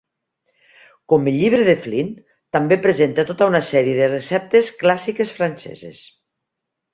Com el llibre de Flinn, també presenta tota una sèrie de receptes clàssiques franceses.